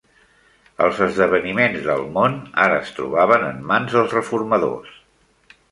Els esdeveniments del món ara es trobaven en mans dels reformadors.